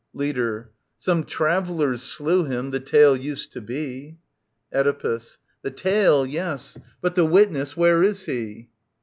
Leader. Some travellers slew him, the tale used to be. Oedipus. The tale, yes : but the witness, where is he